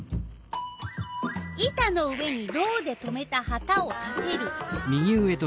板の上にロウでとめたはたを立てる。